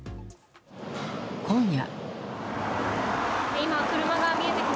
今夜。